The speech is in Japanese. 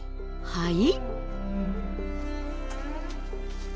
はい。